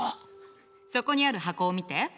そこにある箱を見て。